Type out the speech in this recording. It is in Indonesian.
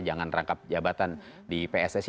jangan rangkap jabatan di pssi